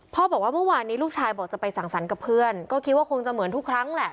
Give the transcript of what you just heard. บอกว่าเมื่อวานนี้ลูกชายบอกจะไปสั่งสรรค์กับเพื่อนก็คิดว่าคงจะเหมือนทุกครั้งแหละ